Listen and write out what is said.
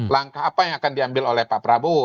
langkah apa yang akan diambil oleh pak prabowo